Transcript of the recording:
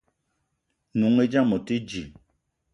N'noung i dame o te dji.